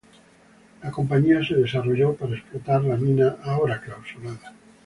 La compañía se desarrolló para explotar la mina ahora clausurada.